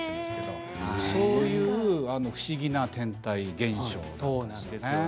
そういう不思議な天体、現象なんですね。